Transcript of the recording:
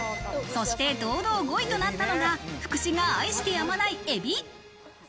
そして堂々５位となったのが福士が愛してやまない海老。